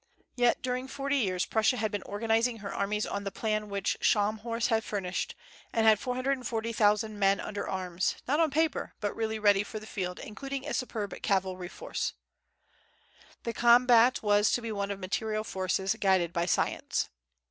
Yet during forty years Prussia had been organizing her armies on the plan which Scharnhorst had furnished, and had four hundred and fifty thousand men under arms, not on paper, but really ready for the field, including a superb cavalry force. The combat was to be one of material forces, guided by science.